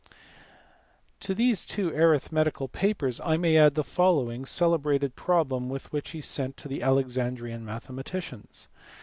To these two arithmetical papers, I may add the following celebrated problem which he sent to the Alexandrian mathe maticians.